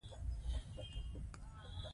راځئ چې پخپله ځانونه حقيقت ته ورسوو.